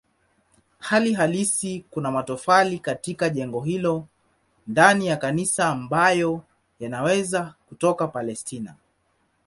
Hali halisi kuna matofali katika jengo hilo ndani ya kanisa ambayo yanaweza kutoka Palestina.